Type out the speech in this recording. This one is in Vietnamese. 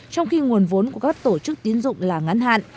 trong khi nguồn vốn của các tổ chức tiến dụng là ngắn hạn